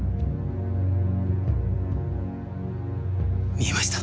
見えました。